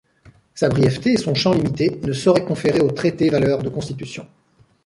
Sa brièveté et son champ limité ne sauraient conférer au traité valeur de constitution.